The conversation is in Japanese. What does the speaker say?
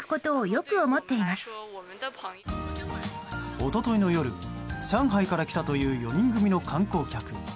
一昨日の夜上海から来たという４人組の観光客。